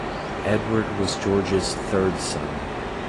Edward was George's third son.